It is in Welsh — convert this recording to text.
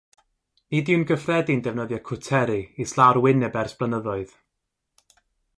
Nid yw'n gyffredin defnyddio cwteri islaw'r wyneb ers blynyddoedd.